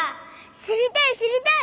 しりたいしりたい！